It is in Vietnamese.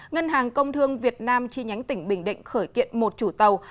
ngân hàng công thương việt nam chi nhánh tỉnh bình định khởi kiện một chủ tàu